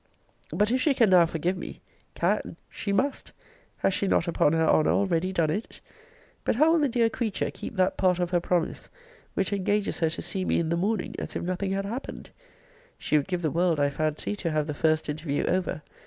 But if she can now forgive me can! she must. Has she not upon her honour already done it? But how will the dear creature keep that part of her promise which engages her to see me in the morning as if nothing had happened? She would give the world, I fancy, to have the first interview over!